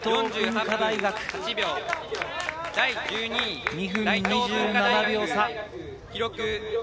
２分２７秒差。